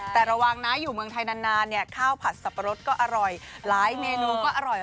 แต่ระวังนะอยู่เมืองไทยนานเนี่ยข้าวผัดสับปะรดก็อร่อยหลายเมนูก็อร่อย